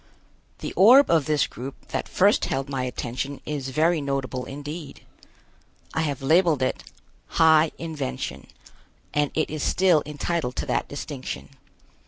The orb of this group that first held my attention is very notable indeed. I have labeled it "High Invention," and it is still entitled to that distinction.